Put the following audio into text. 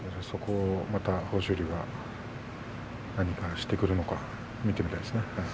そこを豊昇龍が何かしてくるのか見てみたいですね。